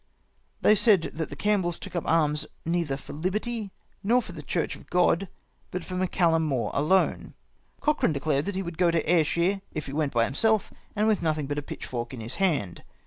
They said that the Campbells took up arms neither for liberty nor for the Chm ch of God, but for Mac Galium More alone. Cochrane declared he would go to Ayrshire, if he went by himself, and with nothing but a pitch fork in his hand.